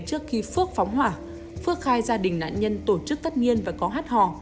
trước khi phước phóng hỏa phước khai gia đình nạn nhân tổ chức tất niên và có hát hò